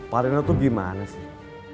pak raina tuh gimana sih